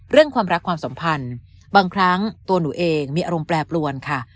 ความรักความสัมพันธ์บางครั้งตัวหนูเองมีอารมณ์แปรปรวนค่ะ